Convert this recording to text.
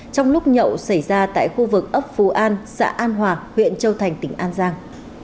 trong lúc nhậu xảy ra tại khu vực ấp phú an xã an hòa huyện châu thành tỉnh an giang